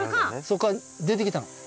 そっから出てきたの。